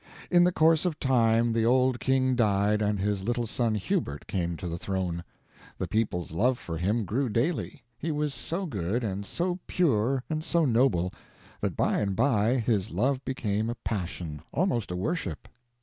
In the course of time the old king died and his little son Hubert came to the throne. The people's love for him grew daily; he was so good and so pure and so noble, that by and by his love became a passion, almost a worship.